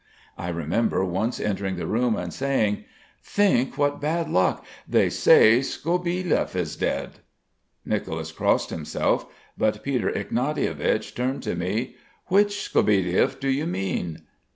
I remember once entering the room and saying: "Think what bad luck! They say, Skobielev is dead." Nicolas crossed himself; but Peter Ignatievich turned to me: "Which Skobielev do you mean?"